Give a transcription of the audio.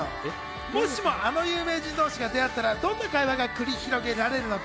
もしもあの有名人同士が出会ったらどんな会話が繰り広げられるのか。